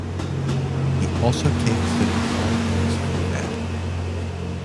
He also takes the new ball in this format.